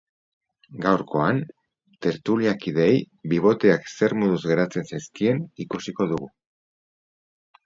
Gaurkoan, tertuliakideei biboteak zer moduz geratzen zaizkien ikusiko dugu.